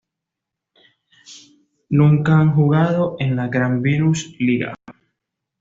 Nunca han jugado en la Gambrinus liga.